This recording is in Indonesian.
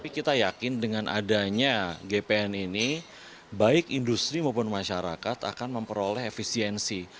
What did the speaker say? kita yakin dengan adanya gpn ini baik industri maupun masyarakat akan memperoleh efisiensi